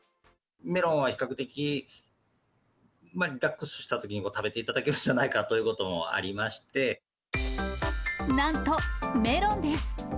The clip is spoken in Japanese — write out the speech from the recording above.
メロンは比較的、リラックスしたときに食べていただけるんじゃないかということもなんと、メロンです。